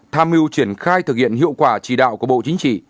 tham mưu triển khai thực hiện hiệu quả chỉ đạo của bộ chính trị